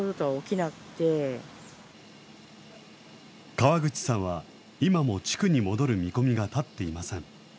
川口さんは、今も地区に戻る見込みが立っていません。